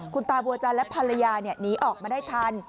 คุณตาบัวจันทร์และภรรยาหนีออกมาได้ทัน